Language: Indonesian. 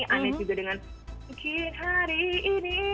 anet juga dengan peking hari ini